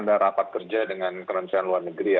ada rapat kerja dengan kementerian luar negeri